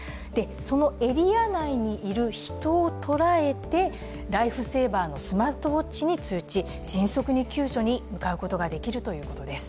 そのエリア内にいる人を捉えてライフセーバーのスマートウォッチに通知、迅速に救助に向かうことができるということです。